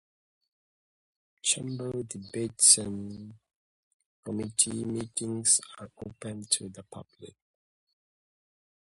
Chamber debates and committee meetings are open to the public.